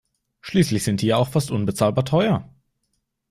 Schließlich sind die ja auch fast unbezahlbar teuer.